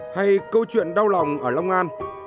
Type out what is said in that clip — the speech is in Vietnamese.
hay câu chuyện đau lòng ở long an